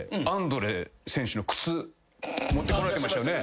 持ってこられてましたよね？